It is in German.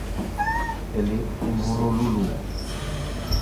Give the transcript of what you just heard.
Er lebt in Honolulu.